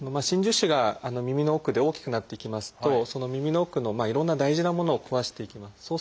真珠腫が耳の奥で大きくなっていきますとその耳の奥のいろんな大事なものを壊していきます。